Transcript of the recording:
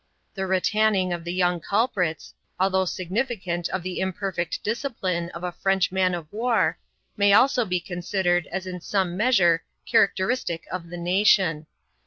The ratanning of the young culprits, although significant of the imperfect discipline of a French man of war, may also be considered as in some measure characteristic of the nation.